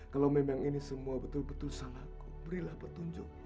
kalau memang ini semua betul betul salahku berilah petunjuk